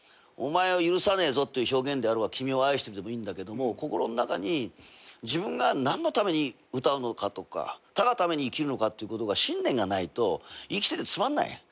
「お前を許さねえぞ」って表現であろうが「君を愛してる」でもいいんだけど心の中に自分が何のために歌うのかとかたがために生きるのかってことが信念がないと生きててつまんない。